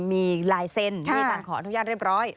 มีลายเซ็นต์มีการขออนุญาตเรียบร้อย